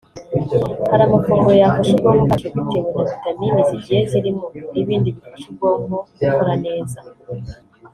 Hari amafunguro yafasha ubwonko bwacu bitewe na vitamini zigiye zirimo n’ibindi bifasha ubwonko gukora neza